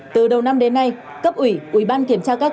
từ đầu năm đến nay cấp ủy ủy ban kiểm tra các cấp